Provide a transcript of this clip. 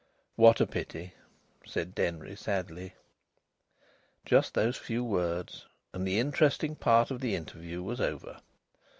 "What a pity!" said Denry, sadly. Just those few words and the interesting part of the interview was over!